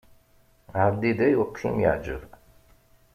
Ɛeddi-d ayweq i m-iɛǧeb.